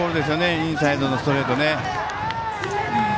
インサイドのストレート。